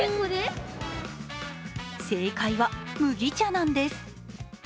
正解は麦茶なんです。